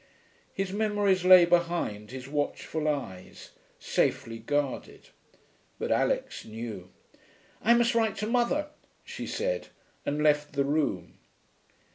His memories lay behind his watchful eyes, safely guarded. But Alix knew. 'I must write to mother,' she said, and left the room.